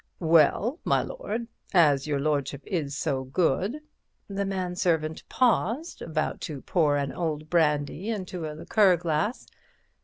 "Well, my lord, as your lordship is so good"—the man servant paused, about to pour an old brandy into a liqueur glass.